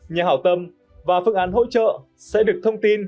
nhà hảo tâm và phương án hỗ trợ sẽ được thông tin